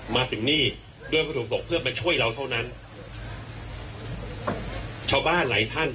มาถึงนี่ด้วยวัตถุตกเพื่อมาช่วยเราเท่านั้นชาวบ้านหลายท่าน